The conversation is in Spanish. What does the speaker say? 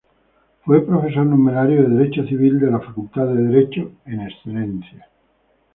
Fue profesor numerario de Derecho Civil de la Facultad de Derecho, en excedencia.